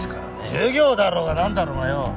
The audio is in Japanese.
授業だろうがなんだろうがよ